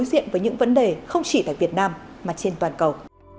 đối diện với những vấn đề không chỉ tại việt nam mà trên toàn cầu